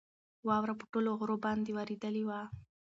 واوره په ټولو غرو باندې ورېدلې وه.